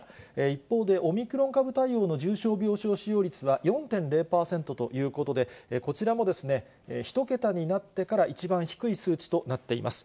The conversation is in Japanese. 一方で、オミクロン株対応の重症病床使用率は４．０％ということで、こちらも１桁になってから一番低い数値となっています。